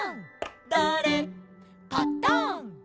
「だれ？パタン」